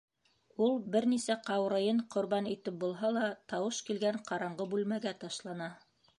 Ул, бер нисә ҡаурыйын ҡорбан итеп булһа ла, тауыш килгән ҡараңғы бүлмәгә ташлана.